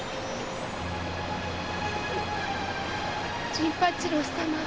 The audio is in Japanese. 陣八郎様